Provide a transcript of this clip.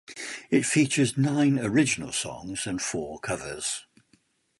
It features nine original songs and four covers.